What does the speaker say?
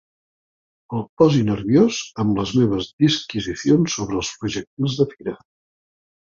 El posi nerviós amb les meves disquisicions sobre els projectils de fira.